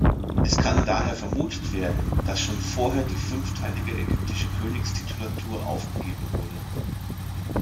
Es kann daher vermutet werden, dass schon vorher die fünfteilige ägyptische Königstitulatur aufgegeben wurde.